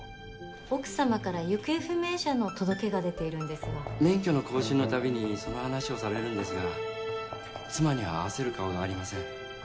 奥様から行方不明者の届けが出ているんで免許の更新のたびにその話をされるんですが妻には合わせる顔がありません